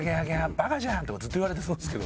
「バカじゃん！」とかずっと言われてそうですけど。